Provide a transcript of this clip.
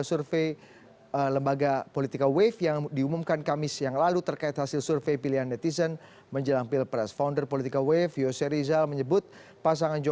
satu di jakarta satu di bogor